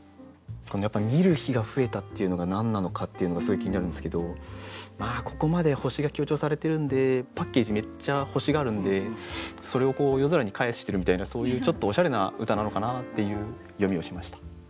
このやっぱり「見る日がふえた」っていうのが何なのかっていうのがすごい気になるんですけどまあここまで星が強調されてるんでパッケージめっちゃ星があるんでそれを夜空にかえしてるみたいなそういうちょっとおしゃれな歌なのかなっていう読みをしました。